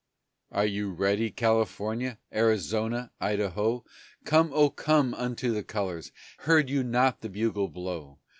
"Are you ready, California, Arizona, Idaho? 'Come, oh, come, unto the colors!' Heard you not the bugle blow?"